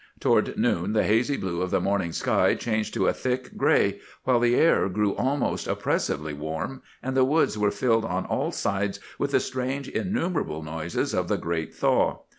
"Toward noon the hazy blue of the morning sky changed to a thick gray, while the air grew almost oppressively warm, and the woods were filled on all sides with the strange, innumerable noises of the great thaw.